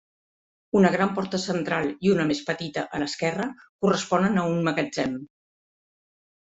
Una gran porta central i una més petita a l'esquerra corresponen a un magatzem.